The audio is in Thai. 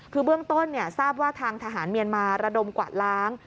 คือเบื้องต้นทราบว่าทางทหารเมียนมาระดมกวาดล้าง